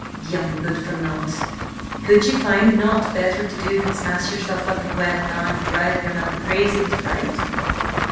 "Young good for nought! Could ye find nought better to do than to smash yourself up and well nigh drive your man crazy with fright?"